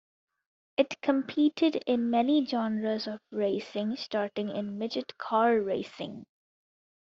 It competed in many genres of racing starting in Midget car racing.